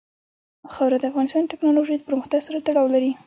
خاوره د افغانستان د تکنالوژۍ پرمختګ سره تړاو لري.